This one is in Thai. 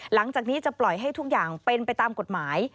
หลังจากนี้จะปล่อยให้ทุกอย่างเป็นไปตามกฎหมาย